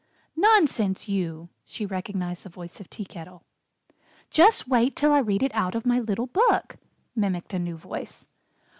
"Nonsense, you!" she recognized the voice of Tea Kettle. "Just wait till I read it out of my little book," mimicked a new voice.